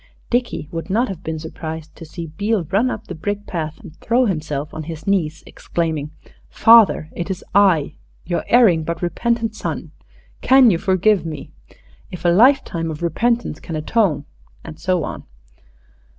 Dickie would not have been surprised to see Beale run up the brick path and throw himself on his knees, exclaiming, "Father, it is I your erring but repentant son! Can you forgive me? If a lifetime of repentance can atone ..." and so on.